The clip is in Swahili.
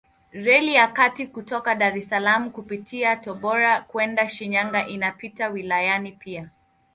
Reli ya kati kutoka Dar es Salaam kupitia Tabora kwenda Shinyanga inapita wilayani pia.